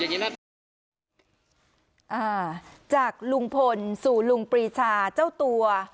อ่าจากลุงพลสู่ลุงปรีชาเจ้าตัว